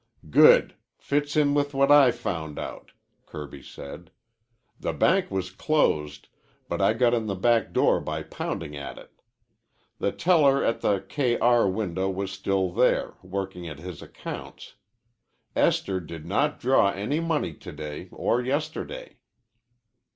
"Good. Fits in with what I found out," Kirby said. "The bank was closed, but I got in the back door by pounding at it. The teller at the K R window was still there, working at his accounts. Esther did not draw any money to day or yesterday."